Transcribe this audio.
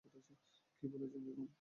কি বলছেন বেগম!